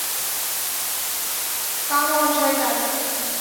কাম on - শয়তান!